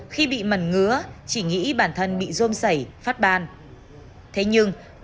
khi bị mần ngứa chị nghĩ bản thân bị bệnh